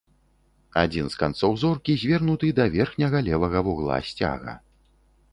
Адзін з канцоў зоркі звернуты да верхняга левага вугла сцяга.